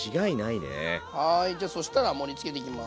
はいじゃそしたら盛りつけていきます。